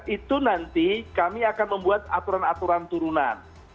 itu nanti kami akan membuat aturan aturan turunan